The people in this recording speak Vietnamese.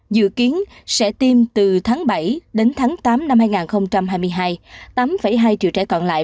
dự kiến sẽ tiêm từ tháng bảy đến tháng tám năm hai nghìn hai mươi hai tám hai triệu trẻ còn lại